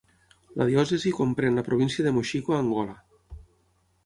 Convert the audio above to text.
La diòcesi comprèn la província de Moxico a Angola.